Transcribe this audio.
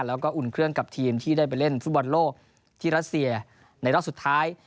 แล้วก็อุ่นเครื่องกับทีมที่ได้ไปเล่นฟุตบอลโลกที่รัสเซียในรอบสุดท้าย